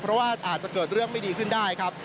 เพราะว่าอาจจะเกิดเรื่องไม่ดีขึ้นได้ครับ